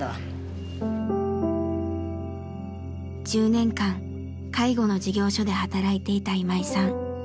１０年間介護の事業所で働いていた今井さん。